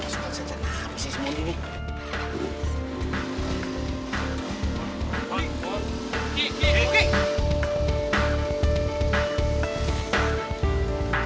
suara senjata nabis mon